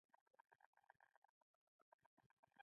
ایا زه باید پور ورکړم؟